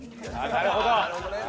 なるほどね。